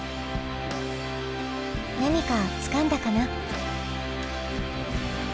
何かつかんだかな？